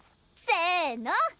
せの！